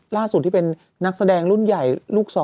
ล่าสุดที่เป็นนักแสดงรุ่นใหญ่ลูก๒